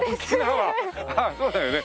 ああそうだよね。